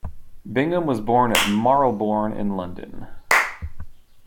Bingham was born at Marylebone in London.